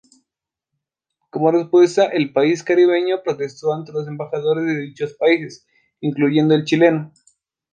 Como respuesta, el país caribeño protestó ante embajadores de dichos países, incluyendo el chileno.